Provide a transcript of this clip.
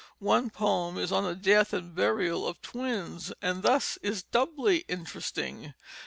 One poem is on the death and burial of twins, and thus is doubly interesting.